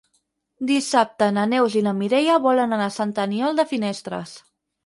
Dissabte na Neus i na Mireia volen anar a Sant Aniol de Finestres.